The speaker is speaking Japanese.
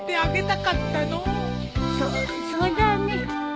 そっそうだね。